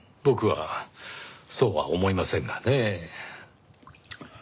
僕はそうは思いませんがねぇ。